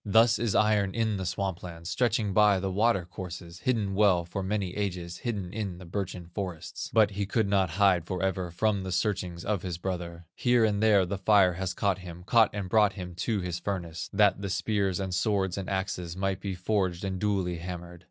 "Thus is iron in the swamp lands, Stretching by the water courses, Hidden well for many ages, Hidden in the birchen forests, But he could not hide forever From the searchings of his brother; Here and there the fire has caught him, Caught and brought him to his furnace, That the spears, and swords, and axes, Might be forged and duly hammered.